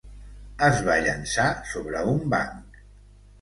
Es va llançar sobre un banc.